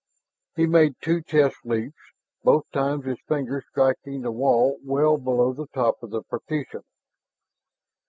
He made two test leaps, both times his fingers striking the wall well below the top of the partition.